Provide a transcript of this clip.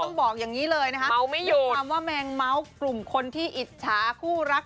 ต้องบอกอย่างนี้เลยนะคะด้วยความว่าแมงเม้ากลุ่มคนที่อิจฉาคู่รัก